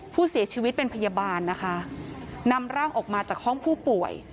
ผู้เสียชีวิตเป็นพยาบาลนะคะนำร่างออกมาจากห้องผู้ป่วย